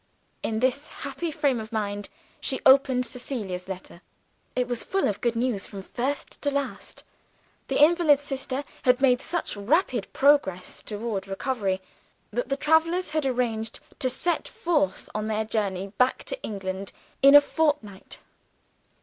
In this happy frame of mind she opened Cecilia's letter. It was full of good news from first to last. The invalid sister had made such rapid progress toward recovery that the travelers had arranged to set forth on their journey back to England in a fortnight.